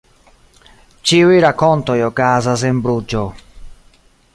Ĉiuj rakontoj okazas en Bruĝo.